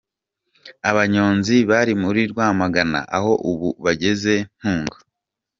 Abanyonzi bari muri Rwamagana aho ubu bageze Ntunga.